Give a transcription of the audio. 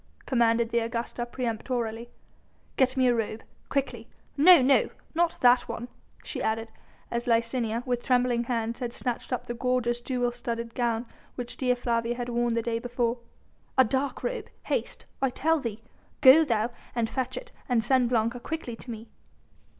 commanded the Augusta peremptorily. "Get me a robe quickly no, no! not that one," she added, as Licinia, with trembling hands had snatched up the gorgeous jewel studded gown which Dea Flavia had worn the day before, "a dark robe haste, I tell thee! go thou fetch it and send Blanca quickly to me."